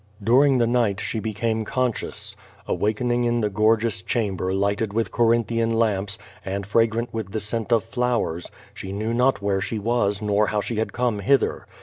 During the night she became conscious. Awakening in the gorgeous chamber lighted with Corinthian lamps, and fra grant with the scent of flowers, she knew not where she was 482 Q^O VADIS. nor how she had come hither.